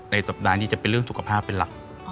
สัปดาห์นี้จะเป็นเรื่องสุขภาพเป็นหลัก